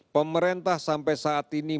pemerintah sampai saat ini